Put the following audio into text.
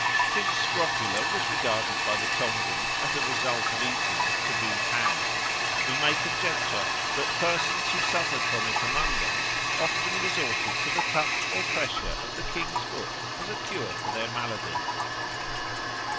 Since scrofula was regarded by the Tongans as a result of eating with tabooed hands, we may conjecture that persons who suffered from it among them often resorted to the touch or pressure of the king's foot as a cure for their malady.